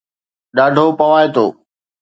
ڏاڍو ڀوائتو